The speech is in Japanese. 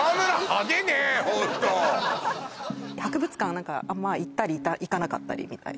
ホント博物館はあんま行ったり行かなかったりみたいな？